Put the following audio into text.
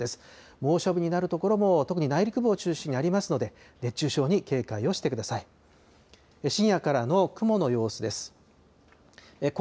猛暑日になる所も、特に内陸部を中心にありますので、熱中症に警戒をしてください。